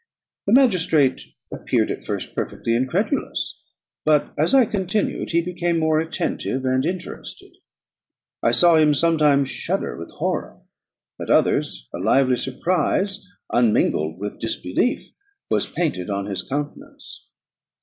The magistrate appeared at first perfectly incredulous, but as I continued he became more attentive and interested; I saw him sometimes shudder with horror, at others a lively surprise, unmingled with disbelief, was painted on his countenance.